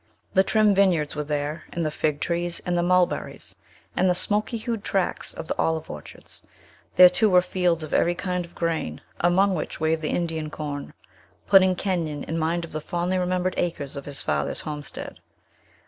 The trim vineyards were there, and the fig trees, and the mulberries, and the smoky hued tracts of the olive orchards; there, too, were fields of every kind of grain, among which, waved the Indian corn, putting Kenyon in mind of the fondly remembered acres of his father's homestead.